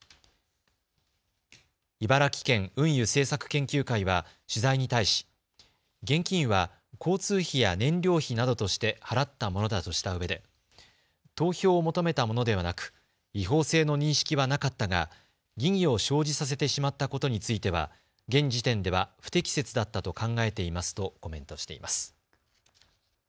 茨城県運輸政策研究会は取材に対し現金は交通費や燃料費などとして払ったものだとしたうえで投票を求めたものではなく違法性の認識はなかったが疑義を生じさせてしまったことについては現時点では不適切だったと考えていますとコメントしています。